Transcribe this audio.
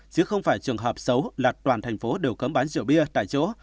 chứ không phải trường hợp xấu là toàn tp hcm đều cấm bán rượu bia tại chỗ